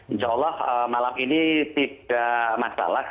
insya allah malam ini tidak masalah